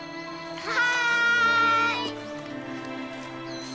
はい！